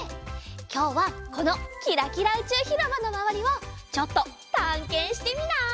きょうはこのキラキラうちゅうひろばのまわりをちょっとたんけんしてみない？